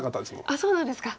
あっそうなんですか。